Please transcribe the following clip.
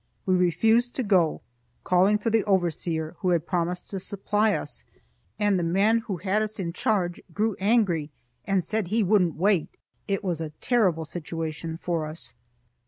We refused to go, calling for the overseer, who had promised to supply us, and the man who had us in charge grew angry and said he wouldn't wait. It was a terrible situation for us.